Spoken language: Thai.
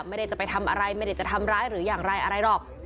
ไม่ได้จะไปทำอะไรไม่ได้จะทำร้ายหรืออย่างไรอะไรหรอก